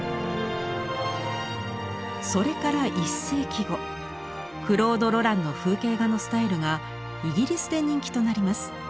それから１世紀後クロード・ロランの風景画のスタイルがイギリスで人気となります。